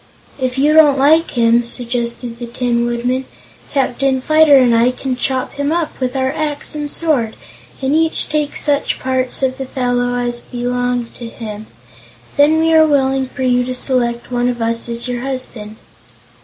"If you don't like him," suggested the Tin Woodman, "Captain Fyter and I can chop him up with our axe and sword, and each take such parts of the fellow as belong to him. Then we are willing for you to select one of us as your husband."